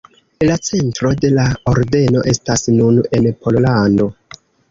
La centro de la ordeno estas nun en Pollando.